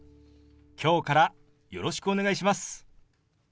今日からよろしくお願いします。